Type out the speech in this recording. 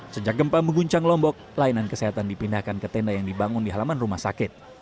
sejak gempa mengguncang lombok layanan kesehatan dipindahkan ke tenda yang dibangun di halaman rumah sakit